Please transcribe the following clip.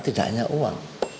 tidak hanya uang